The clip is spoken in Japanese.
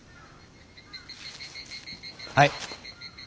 はい。